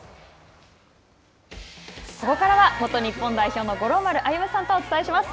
ここからは、元日本代表の五郎丸歩さんとお伝えします。